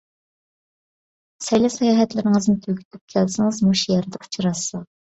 سەيلە - ساياھەتلىرىڭىزنى تۈگىتىپ كەلسىڭىز، مۇشۇ يەردە ئۇچراشساق.